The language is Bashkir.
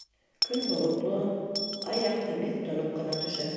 Көн болотло, ай яҡтыһы бик тоноҡ ҡына төшә.